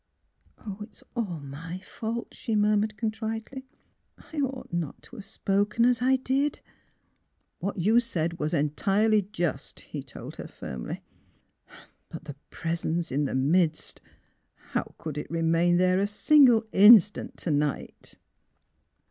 " It is all my fault," she murmured, contritely. *' I ought not to have spoken as I did." What you said was entirely just," he told her firmly. '^ But The Presence in the midst — how could it remain there a single instant to night?